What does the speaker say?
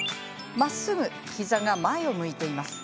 まっすぐ膝が前を向いています。